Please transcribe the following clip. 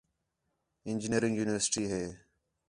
انجینئرنگ یونیورسٹی ہِے